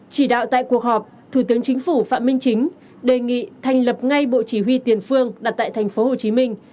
chỉ đạo tại cuộc họp thủ tướng chính phủ phạm minh chính đề nghị thành lập ngay bộ chỉ huy tiền phương đặt tại thành phố hồ chí minh